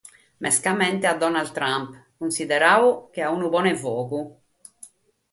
Mescamente a Donald Trump, cunsideradu che a unu «ponefogu».